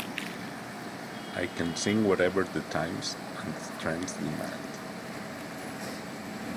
I can sing whatever the times and the trends demand.